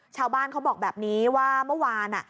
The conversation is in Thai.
ชาวบ้านเขาบอกแบบนี้ว่าเมื่อวานอ่ะ